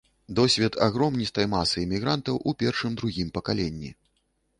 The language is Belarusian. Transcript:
Досвед агромністай масы імігрантаў у першым-другім пакаленні.